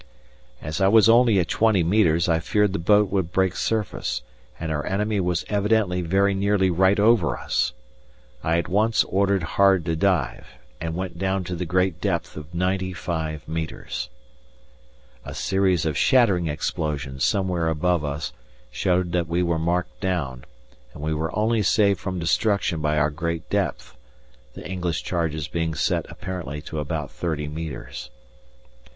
As I was only at twenty metres I feared the boat would break surface, and our enemy was evidently very nearly right over us. I at once ordered hard to dive, and went down to the great depth of ninety five metres. A series of shattering explosions somewhere above us showed that we were marked down, and we were only saved from destruction by our great depth, the English charges being set apparently to about thirty metres.